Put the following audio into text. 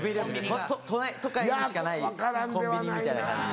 都内都会にしかないコンビニみたいな感じで。